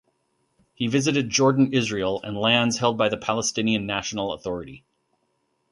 He visited Jordan, Israel and lands held by the Palestinian National Authority.